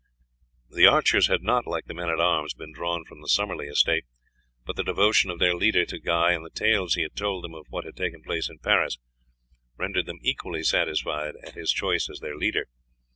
The archers had not, like the men at arms, been drawn from the Summerley estate, but the devotion of their leader to Guy, and the tales he had told them of what had taken place in Paris rendered them equally satisfied at his choice as their leader.